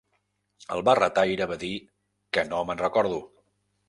El barretaire va dir "Que no m'enrecordo".